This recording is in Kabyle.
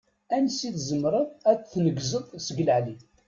Ansi tzemreḍ ad d-tneggzeḍ seg leεli?